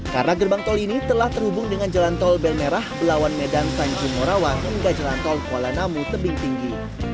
karena gerbang tol ini telah terhubung dengan jalan tol belmerah lawan medan tanjung morawan hingga jalan tol kuala namu tebing tinggi